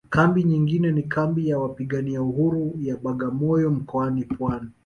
Kambi nyingine ni kambi ya wapigania uhuru ya Bagamoyo mkoani Pwani